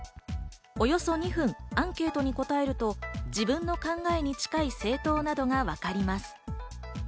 およそ２分アンケートに答えると自分の考えに近い政党などがわかります。